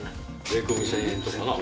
税込み１０００円とかな。